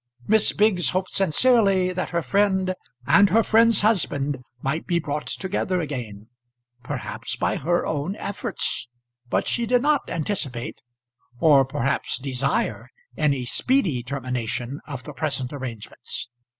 Miss Biggs hoped sincerely that her friend and her friend's husband might be brought together again; perhaps by her own efforts; but she did not anticipate, or perhaps desire any speedy termination of the present arrangements.